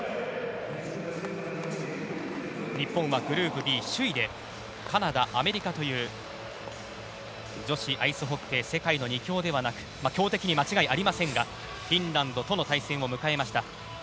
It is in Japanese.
日本はグループＢ首位でカナダ、アメリカという女子アイスホッケー世界の２強ではなく強敵には間違いありませんがフィンランドとの対戦を迎えました。